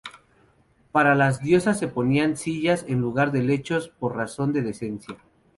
Para las diosas se ponían sillas en lugar de lechos, por razón de decencia.